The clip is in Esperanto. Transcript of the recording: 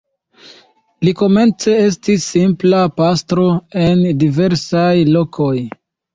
Li komence estis simpla pastro en diversaj lokoj.